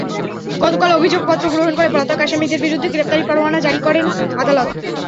গতকাল অভিযোগপত্র গ্রহণ করে পলাতক আসামিদের বিরুদ্ধে গ্রেপ্তারি পরোয়ানা জারি করেন আদালত।